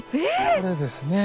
これですね。